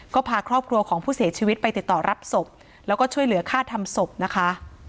ก็พาครอบครัวของผู้เสียชีวิตไปติดต่อรับศพแล้วก็ช่วยเหลือค่าทำศพนะคะ